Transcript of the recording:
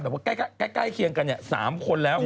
แบบว่าใกล้เคียงกันสามคนแล้ว